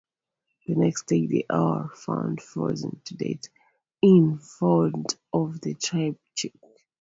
The next day they are found frozen to death in front of the triptych.